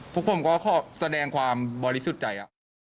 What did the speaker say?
พวกผมก็ขอแสดงความบริสุทธิ์ใจ